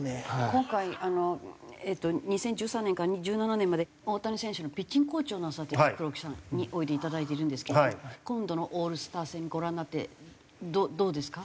今回２０１３年から２０１７年まで大谷選手のピッチングコーチをなさっていた黒木さんにおいでいただいているんですけど今度のオールスター戦ご覧になってどうですか？